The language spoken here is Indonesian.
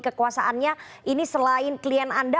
kekuasaannya ini selain klien anda